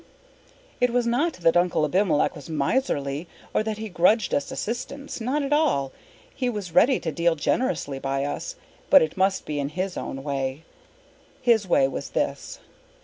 It was not that Uncle Abimelech was miserly or that he grudged us assistance. Not at all. He was ready to deal generously by us, but it must be in his own way. His way was this.